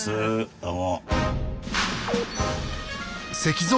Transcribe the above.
どうも。